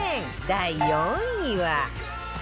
第４位は